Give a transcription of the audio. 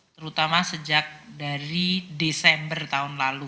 terutama sejak dari desember tahun lalu